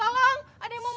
abang berhenti aja